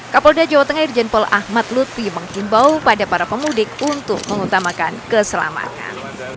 kapolda jawa tengah irjen pol ahmad lutfi menghimbau pada para pemudik untuk mengutamakan keselamatan